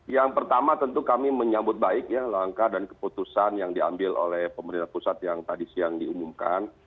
yang pertama tentu kami menyambut baik ya langkah dan keputusan yang diambil oleh pemerintah pusat yang tadi siang diumumkan